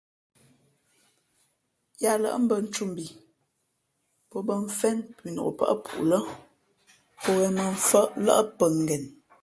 Yáá lάʼ mbᾱ ntūmbhi pō bᾱ mfén pʉnók pάʼ pú lh́ pō ghěn mᾱmfάʼ lάʼ pαngen.